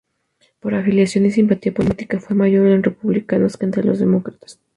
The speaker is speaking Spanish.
Por afiliación y simpatía política, fue mayor en republicanos que entre los demócratas.